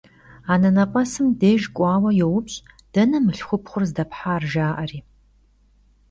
Anenep'esım dêjj k'uaşi youpş': «Dene mılhxupxhur zdephar?» – jja'eri.